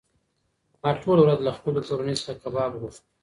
ما ټوله ورځ له خپلې کورنۍ څخه کباب غوښت.